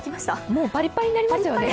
もうパリパリになりますよね。